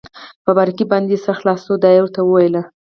په باریکۍ باندې دې سر خلاص شو؟ دا يې ورته وویل.